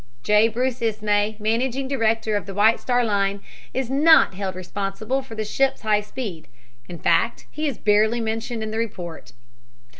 J. Bruce Ismay, managing director of the White Star Line, is not held responsible for the ship's high speed. In fact, he is barely mentioned in the report.